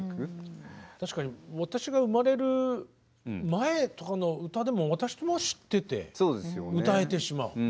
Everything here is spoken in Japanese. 確かに私が生まれる前とかの歌でも私も知ってて歌えてしまう。